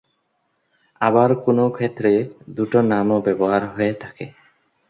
আবার কোনও ক্ষেত্রে দুটো নামও ব্যবহার হয়ে থাকে।